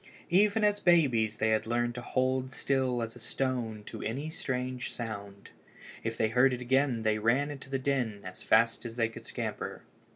_] Even as babies they had learned to hold still as a stone at any strange sound. If they heard it again they ran to the den as fast as they could scamper.